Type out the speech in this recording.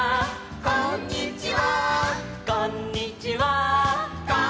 「こんにちは」「」